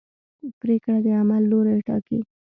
پرېکړه د عمل لوری ټاکي.